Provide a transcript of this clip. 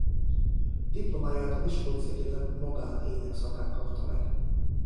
Diplomáját a Miskolci Egyetem magán-ének szakán kapta meg.